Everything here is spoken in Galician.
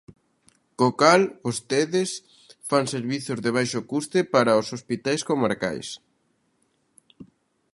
Co cal, vostedes fan servizos de baixo custe para os hospitais comarcais.